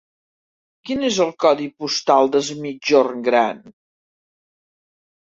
Quin és el codi postal d'Es Migjorn Gran?